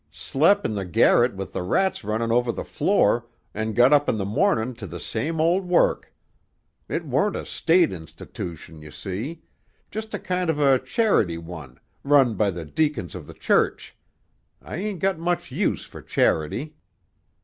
Slep' in the garret with the rats runnin' over the floor, an' got up in the mornin' to the same old work. It warn't a State institootion, you see; just a kind of a charity one, run by the deacons of the church; I ain't got much use for charity."